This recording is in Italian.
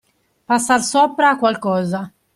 Passar sopra a qualcosa.